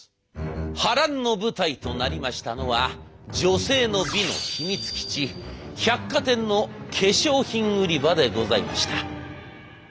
波乱の舞台となりましたのは女性の美の秘密基地百貨店の化粧品売り場でございました。